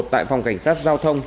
tại phòng cảnh sát giao thông